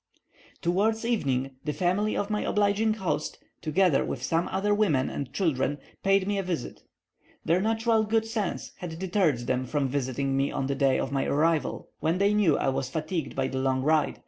Towards evening the family of my obliging host, together with some other women and children, paid me a visit. Their natural good sense had deterred them from visiting me on the day of my arrival, when they knew I was fatigued by the long ride.